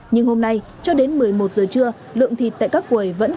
nhưng hôm nay cho đến một mươi một giờ trưa lượng thịt tại các quầy vẫn